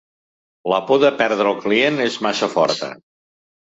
La por de perdre el client és massa forta.